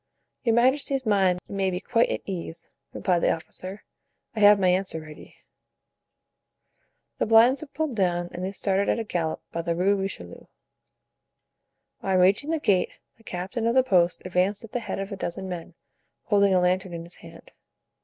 "Your majesty's mind may be quite at ease," replied the officer; "I have my answer ready." The blinds were pulled down and they started at a gallop by the Rue Richelieu. On reaching the gate the captain of the post advanced at the head of a dozen men, holding a lantern in his hand.